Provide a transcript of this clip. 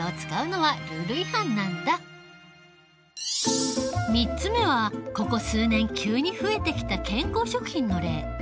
そもそも３つ目はここ数年急に増えてきた健康食品の例。